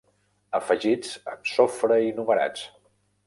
Afegits amb sofre i numerats.